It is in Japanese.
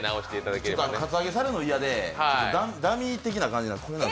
ちょっとカツアゲされるのが嫌でダミー的な感じなんです。